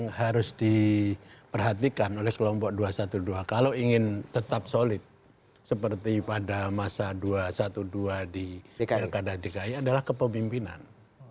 yang harus diperhatikan oleh kelompok dua ratus dua belas kalau ingin tetap solid seperti pada masa dua ratus dua belas di pilkada dki adalah kepemimpinan